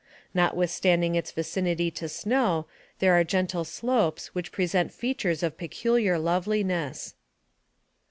Notwithstanding its vicinity to snow, there are gentle slopes which present features of peculiar loveliness.